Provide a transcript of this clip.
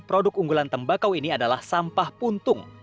produk unggulan tembakau ini adalah sampah puntung